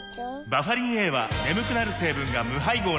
バファリンＡは眠くなる成分が無配合なんです